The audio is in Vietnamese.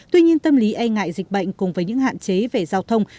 tuy nhiên tâm lý e ngại dịch bệnh cùng với những hạn chế về giao thông